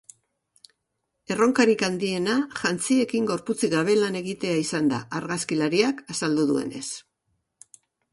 Erronkarik handiena jantziekin gorputzik gabe lan egitea izan da, argazkilariak azaldu duenez.